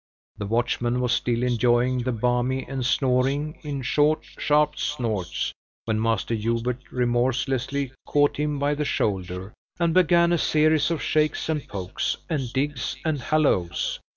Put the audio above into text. The watchman was still enjoying the balmy, and snoring in short, sharp snorts, when Master Hubert remorselessly caught him by the shoulder, and began a series of shakes and pokes, and digs, and "hallos!"